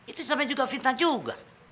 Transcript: itu sampe juga fintan juga